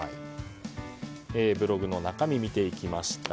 ブログの中身、見ていきました。